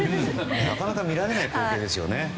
なかなか見られない光景ですよね。